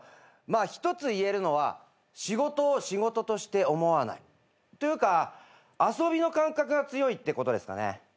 まあ１つ言えるのは仕事を仕事として思わない。というか遊びの感覚が強いってことですかね。